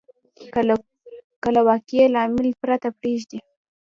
که له واقعي لامل پرته پرېږدي.